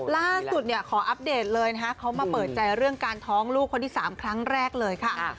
ล่าสุดเนี่ยขออัปเดตเลยนะคะเขามาเปิดใจเรื่องการท้องลูกคนที่๓ครั้งแรกเลยค่ะ